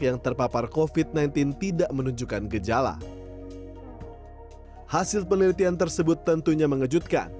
yang terpapar kofit sembilan belas tidak menunjukkan gejala hasil penelitian tersebut tentunya mengejutkan